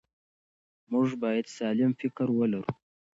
موږ باید سالم فکر ولرو.